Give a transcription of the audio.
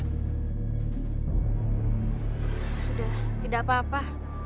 sudah tidak apa apa